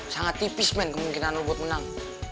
sangat tipis men kemungkinan lo buat menang